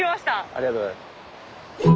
ありがとうございます。